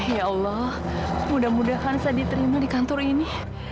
ya allah mudah mudahan saya diterima di kantor ini